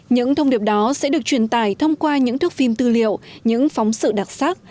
những thông điệp đó sẽ được truyền tải thông qua những thước phim tư liệu những phóng sự đặc sắc